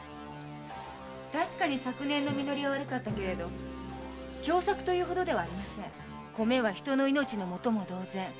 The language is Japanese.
たしかに昨年の実りは悪かったけれど凶作というほどではありません。米は人の命の元も同然。